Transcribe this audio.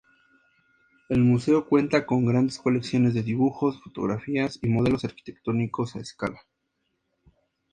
El museo cuenta con grandes colecciones de dibujos, fotografías y modelos arquitectónicos a escala.